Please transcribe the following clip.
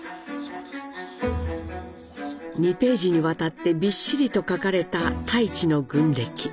２ページにわたってびっしりと書かれた太市の軍歴。